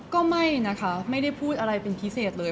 ก็ไม่นะคะไม่ได้พูดอะไรเป็นพิเศษเลย